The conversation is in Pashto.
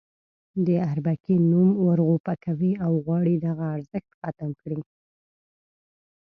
د اربکي نوم ورغوپه کوي او غواړي دغه ارزښت ختم کړي.